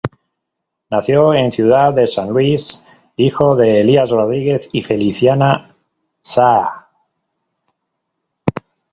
Nació en ciudad de San Luis, hijo de Elías Rodríguez y Feliciana Saá.